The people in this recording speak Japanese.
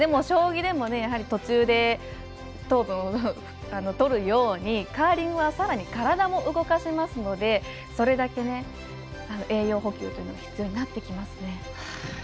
将棋でも、やはり途中で糖分、とるようにカーリングはさらに体も動かしますのでそれだけ栄養補給というのが必要になってきますね。